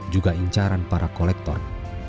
juga incaran para kolektor